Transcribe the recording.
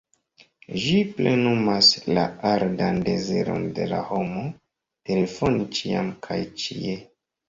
Ĝi plenumas la ardan deziron de la homo, telefoni ĉiam kaj ĉie.